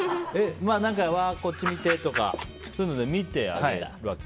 こっち見て！とかそういうので見てあげるわけ？